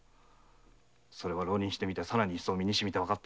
それは浪人してみてさらに一層身にしみた。